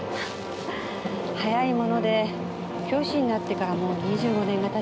早いもので教師になってからもう２５年が経ちました。